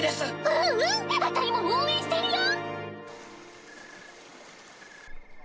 あたいも応援してるよ！